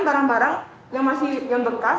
barang barang yang masih yang bekas